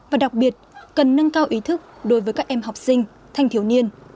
và đặc biệt cần nâng cao ý thức đối với các em học sinh thanh thiếu niên